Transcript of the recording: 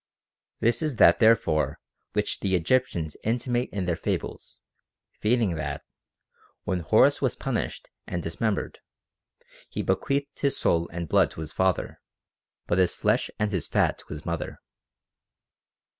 This is that therefore which the Egyptians intimate in their fables, feigning that, when Horus was punished and dismembered, he bequeathed his spirit and blood to his father, but his flesh and his fat to his mother.